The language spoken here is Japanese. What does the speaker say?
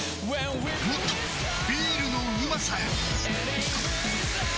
もっとビールのうまさへ！